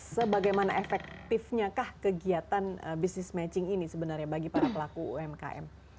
sebagaimana efektifnya kah kegiatan business matching ini sebenarnya bagi para pelaku umkm